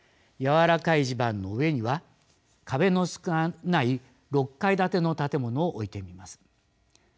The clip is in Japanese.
やわらかい地盤の上には壁の少ない６階建ての建物を置いてみます。